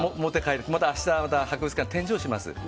また明日博物館に展示をします。